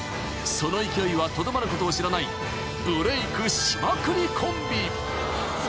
［その勢いはとどまることを知らないブレークしまくりコンビ！］